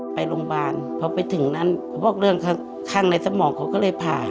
ไปโรงพยาบาลพอไปถึงนั้นเขาบอกเรื่องข้างในสมองเขาก็เลยผ่าย